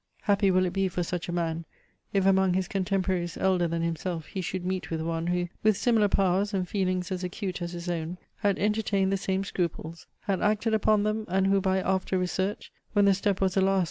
Happy will it be for such a man, if among his contemporaries elder than himself he should meet with one, who, with similar powers and feelings as acute as his own, had entertained the same scruples; had acted upon them; and who by after research (when the step was, alas!